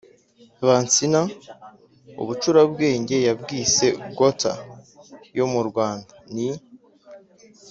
vansina ubucurabwenge yabwise "gotha" yo mu rwanda: ni